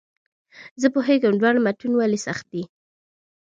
زه پوهېږم دواړه متون ولې سخت دي.